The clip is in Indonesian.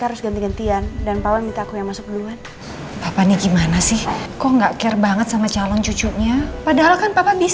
udah lembah gak apa apa